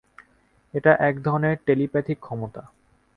এটা এক ধরনের টেলিপ্যাথিক ক্ষমতা!